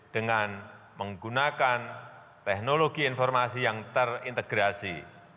dengan menggunakan teknologi informasi yang terintegrasi